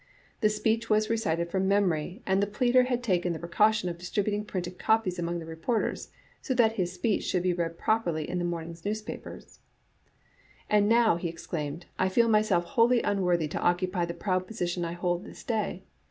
The speech was recited from memory, and the pleader had taken the precaution of distributing printed copies among the reporters, so that his speech should read properly in the morning's newspapers, 'And now,' he exclaimed, *I feel myself wholly un worthy to occupy the proud position I hold this day.